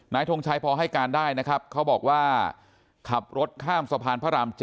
ทงชัยพอให้การได้นะครับเขาบอกว่าขับรถข้ามสะพานพระราม๗